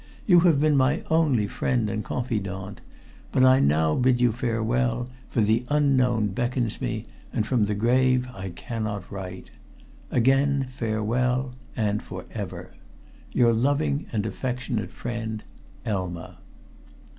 You have been my only friend and confidante, but I now bid you farewell, for the unknown beckons me, and from the grave I cannot write. Again farewell, and for ever. "Your loving and affectionate friend, "Elma."